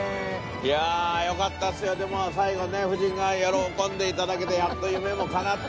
いや、よかったっすよ、最後、夫人が喜んでいただけて、やっと夢もかなって。